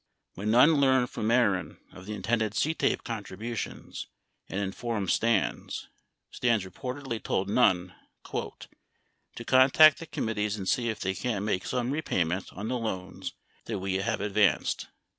25 When Nunn learned from Mehren of the intended CTAPE contributions and informed Stans, Stans reportedly told Nunn "to contact the committees and see if they can't make some repayment on the loans that we have advanced."